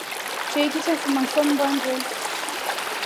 Choiki cha fuma fo mbaa ndwe.